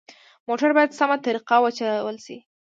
موټر باید سمه طریقه وچلول شي.